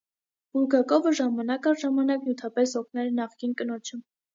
Բուլգակովը ժամանակ առ ժամանակ նյութապես օգնել է նախկին կնոջը։